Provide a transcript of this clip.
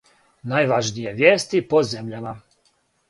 Најважније вијести по земљама